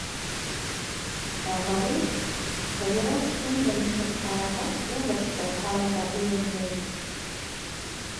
Ә Ғариф, Ҡыҙырас кемгә нисек ҡараһа, ул да шулай ҡарарға өйрәнгәйне.